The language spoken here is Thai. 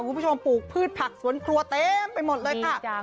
ปลูกพืชผักสวนครัวเต็มไปหมดเลยค่ะ